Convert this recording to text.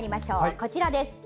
こちらです。